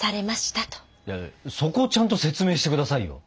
いやそこをちゃんと説明して下さいよ。